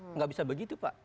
tidak bisa begitu pak